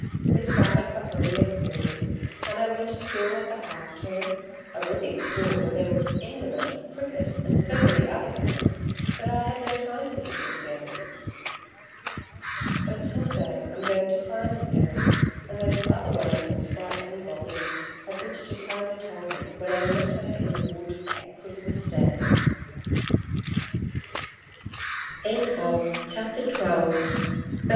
We started for home next morning, and I went to school at the half term a ripping school where there was any amount of cricket, and so many other games that I had no time to think of Fairies. But some day I'm going to find the Peri, and those other wonderful Sprites and Goblins of which Titania told me when I met her in the wood that Christmas day. Printed by W.